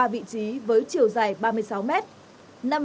ba vị trí với chiều dài ba mươi sáu mét